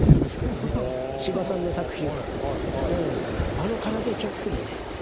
あの空手チョップにね